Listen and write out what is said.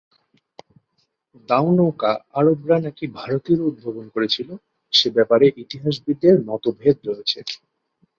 দাও নৌকা আরবরা নাকি ভারতীয়রা উদ্ভাবন করেছিল, সে ব্যাপারে ইতিহাসবিদদের মতভেদ আছে।